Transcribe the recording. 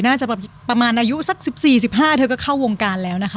น่าจะแบบประมาณอายุสักสิบสี่สิบห้าเธอก็เข้าวงการแล้วนะคะ